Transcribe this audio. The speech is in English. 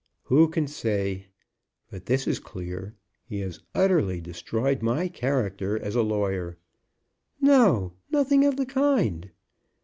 "Who can say? But this is clear. He has utterly destroyed my character as a lawyer." "No. Nothing of the kind."